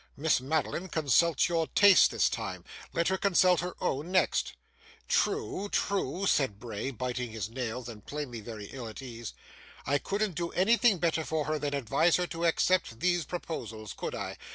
Miss Madeline consults your tastes this time; let her consult her own next.' 'True, true,' said Bray, biting his nails, and plainly very ill at ease. 'I couldn't do anything better for her than advise her to accept these proposals, could I?